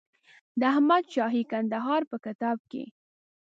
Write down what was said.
د احمدشاهي کندهار په کتاب کې.